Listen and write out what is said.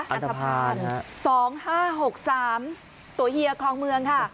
อัฐพาล๒๕๖๓ตัวเหยียวของเมืองค่ะ